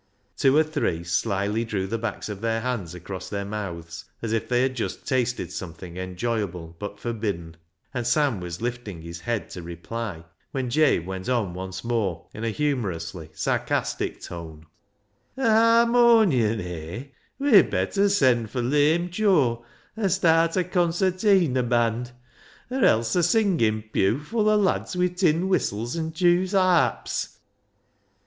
Two or three slily drew the backs of their hands across their mouths as if they had just tasted something enjoyable but forbidden, and Sam was lifting his head to reply, when Jabe went on once more in a humorously sarcastic tone —" A harmonion, eh ? We'd better send for lame Joe, an' start a concerteena band, or else a singin' pew full o' lads wi' tin VN histles an' Jews' harps."